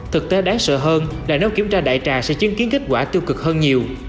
thực tế đáng sợ hơn là nếu kiểm tra đại trà sẽ chứng kiến kết quả tiêu cực hơn nhiều